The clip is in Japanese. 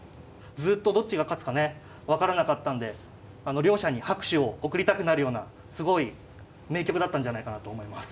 ずっとどっちが勝つかね分からなかったんで両者に拍手を送りたくなるようなすごい名局だったんじゃないかなと思います。